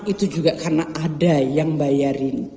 itu juga karena ada yang bayarin